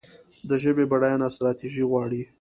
د ژبې بډاینه ستراتیژي غواړي.